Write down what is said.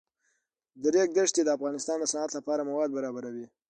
د ریګ دښتې د افغانستان د صنعت لپاره مواد برابروي.